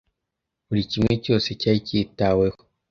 buri kimwe cyose cyari kitaweho